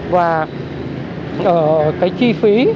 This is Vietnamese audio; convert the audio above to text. và cái chi phí